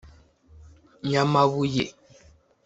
Nyamabuye